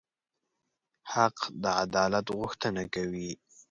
حق د عدالت غوښتنه کوي.